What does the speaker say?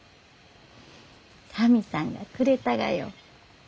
神さんがくれたがよ。